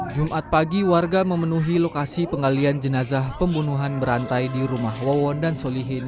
jumat pagi warga memenuhi lokasi penggalian jenazah pembunuhan berantai di rumah wawon dan solihin